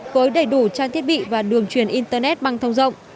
với đầy đủ trang thiết bị và đường truyền internet băng thông rộng